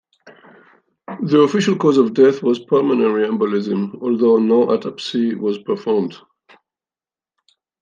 The official cause of death was pulmonary embolism, although no autopsy was performed.